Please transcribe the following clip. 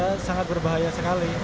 ya sangat berbahaya sekali